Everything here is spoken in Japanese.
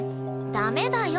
ダメだよ。